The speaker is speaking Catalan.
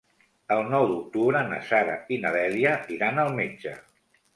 El nou d'octubre na Sara i na Dèlia iran al metge.